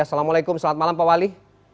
assalamualaikum selamat malam pak wali